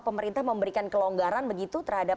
pemerintah memberikan kelonggaran begitu terhadap